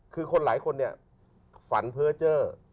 คือคนหลายคนเนี่ยฝันเพ้อเจอร์